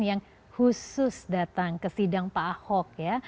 yang khusus datang ke sidang pak ahok ya